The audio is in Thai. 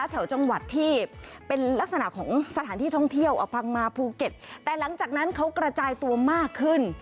แถวจังหวัดที่เป็นลักษณะของสถานที่ท่องเที่ยวอพังมาภูเก็ตแต่หลังจากนั้นเขากระจายตัวมากขึ้น